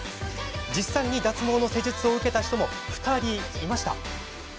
実際に脱毛の施術を受けた人も２人いました。